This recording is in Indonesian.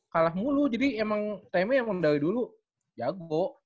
kalah mulu jadi emang tema emang dari dulu jago